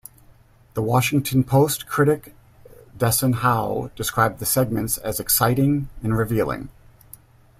"The Washington Post" critic Desson Howe described the segments as exciting and revealing.